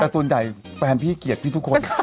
แต่ส่วนใหญ่แฟนพี่เกลียดพี่ทุกคน